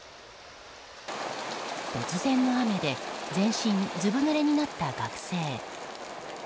突然の雨で全身ずぶぬれになった学生。